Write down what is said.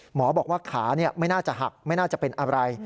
หมอบอกว่าขาไม่น่าจะหักไม่น่าจะเป็นอะไร